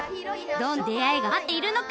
どんなであいがまっているのか！